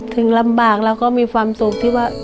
ถึงลำบากแล้วก็มีความสุขที่ว่า